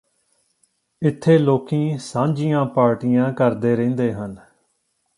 ਇੱਥੇ ਲੋਕੀਂ ਸਾਂਝੀਆਂ ਪਾਰਟੀਆਂ ਕਰਦੇ ਰਹਿੰਦੇ ਹਨ